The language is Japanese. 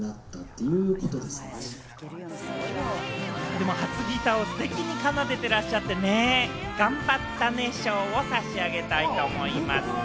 でも、初ギターをステキに奏でてらっしゃってね、頑張ったね賞を差し上げたいと思います。